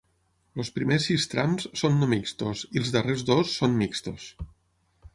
Els primers sis trams són no mixtos i els darrers dos són mixtos.